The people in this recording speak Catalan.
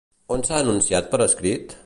On s'ha anunciat per escrit?